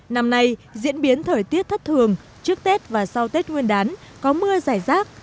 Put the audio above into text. năm nay diễn biến thời tiết thất thường trước tết và sau tết nguyên đán có mưa giải rác